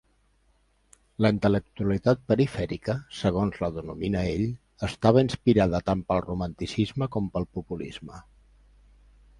La intel·lectualitat perifèrica, segons la denomina ell, estava inspirada tant pel romanticisme com pel populisme.